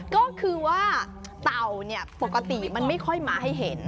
ก็คือว่าเต่าเนี่ยปกติมันไม่ค่อยมาให้เห็น